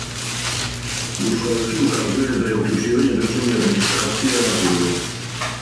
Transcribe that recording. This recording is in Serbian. Бучковски указује да је укључивање државне администрације разумно.